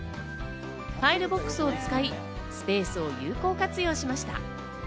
ファイルボックスを使い、スペースを有効活用しました。